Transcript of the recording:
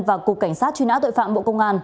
và cục cảnh sát truy nã tội phạm bộ công an